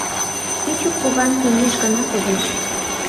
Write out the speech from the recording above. Кӱчык куван кеҥеж гына кодеш.